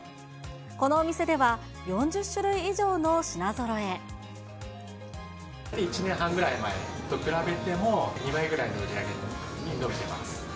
このお店では、４０種類以上の品１年半ぐらい前と比べても、２倍ぐらいの売り上げに伸びてます。